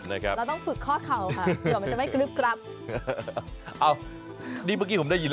เราต้องฝึกคอดเข่าค่ะเพื่ออย่างมันจะไม่คลึบกรับ